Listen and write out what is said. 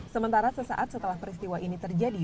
sementara sesaat setelah peristiwa ini terjadi